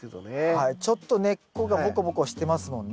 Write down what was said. はいちょっと根っこがボコボコしてますもんね。